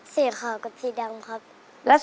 สีขาวกับสีดำ